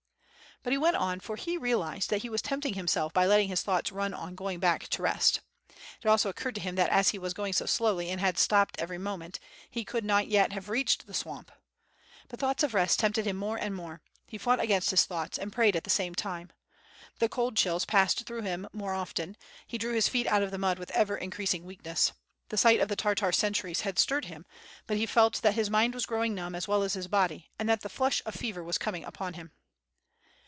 But he went on, for he realized that he was tempting him self by letting his thoughts run on going back to rest. It also occurred to him that as he was going so slowly and had stopped every moment, he could not yet have reached the swamp. But thoughts of rest tempted him more and more. He fought against his thoughts and prayed at the same time. The cold chills passed through him more often; he drew his feet out of the mud with ever increasing weaknesss. The sight of the Tartar sentries had stirred him, but he felt that his mind was growing numb as well as his body and that the flush of fever was coming upon him.